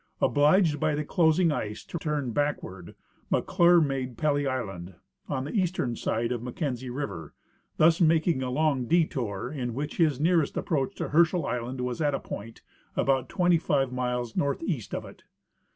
Obliged b}^ the closing ice to turn back ward, McClure made Pelly island, on the eastern side of Mac kenzie river, thus making a long detour in which his nearest approach to Herschel island was at a point about twenty five miles northeast of it.